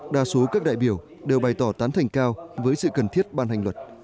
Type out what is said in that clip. đa số các đại biểu đều bày tỏ tán thành cao với sự cần thiết ban hành luật